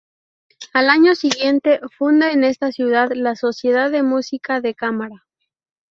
Al año siguiente funda en esta ciudad la Sociedad de Música de Cámara.